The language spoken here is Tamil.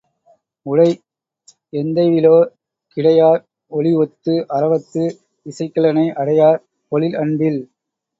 உடை எந்தைவிலோ கிடைஆர் ஒலிஒத்து அரவத்து இசைக்கிலனை அடையார் பொழில் அன்பில்!